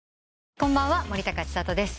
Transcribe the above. こんばんは森高千里です。